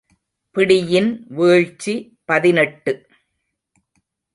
பிடியின் வீழ்ச்சி பதினெட்டு .